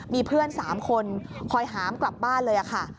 มีเพื่อน๓คนคอยหามกลับบ้านเลยค่ะ